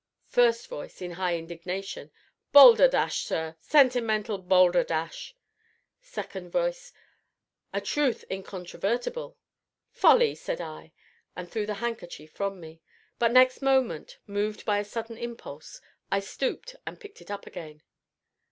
FIRST VOICE (in high indignation). Balderdash, Sir! sentimental balderdash! SECOND VOICE. A truth incontrovertible! ("Folly!" said I, and threw the handkerchief from me. But next moment, moved by a sudden impulse, I stooped and picked it up again.)